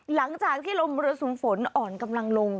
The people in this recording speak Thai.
หลังจากที่ลมมรสุมฝนอ่อนกำลังลง